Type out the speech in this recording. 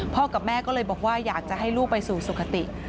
กับแม่ก็เลยบอกว่าอยากจะให้ลูกไปสู่สุขติ